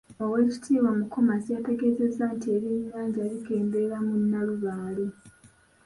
Owekitiibwa Mukomazi yategeezezza nti ebyenyanja bikeendeera mu Nnalubaale.